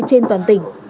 trên toàn tỉnh